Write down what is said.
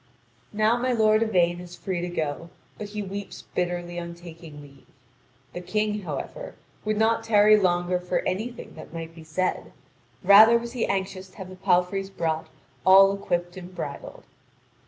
Now my lord Yvain is free to go, but he weeps bitterly on taking leave. The King, however, would not tarry longer for anything that might be said: rather was he anxious to have the palfreys brought all equipped and bridled.